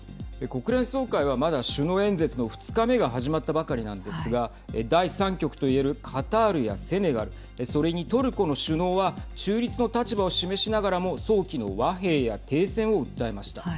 国連総会はまだ首脳演説の２日目が始まったばかりなんですが第３極といえるカタールやセネガルそれに、トルコの首脳は中立の立場を示しながらも早期の和平や停戦を訴えました。